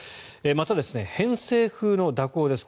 また、偏西風の蛇行です。